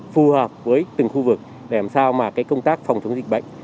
phù hợp với từng khu vực để làm sao mà công tác phòng chống dịch bệnh